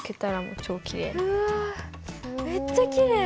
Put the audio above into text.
うわめっちゃきれい！